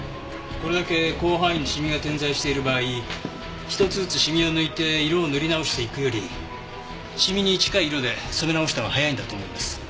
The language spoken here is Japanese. これだけ広範囲にシミが点在している場合一つずつシミを抜いて色を塗り直していくよりシミに近い色で染め直した方が早いんだと思います。